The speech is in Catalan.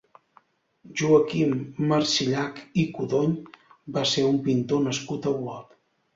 Joaquim Marsillach i Codony va ser un pintor nascut a Olot.